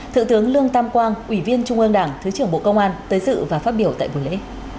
thượng tướng lương tam quang ủy viên trung ương đảng thứ trưởng bộ công an tới dự và phát biểu tại buổi lễ